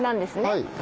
はい。